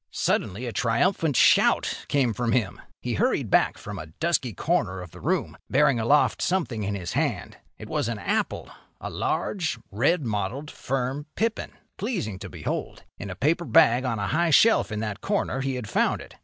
Suddenly a triumphant shout came from him. He hurried back from a dusky corner of the room, bearing aloft something in his hand. It was an apple—a large, red mottled, firm pippin, pleasing to behold. In a paper bag on a high shelf in that corner he had found it.